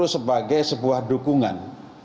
justru sebagai sebuah dukungan